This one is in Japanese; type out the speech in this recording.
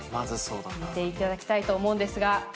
見ていただきたいと思うんですが。